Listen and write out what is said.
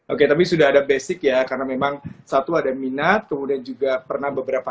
oke tapi sudah ada basic ya karena memang satu ada minat kemudian juga pernah beberapa